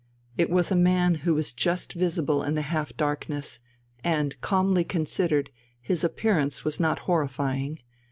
It was a man who was just visible in the half darkness, and, calmly considered, his appearance was not horrifying.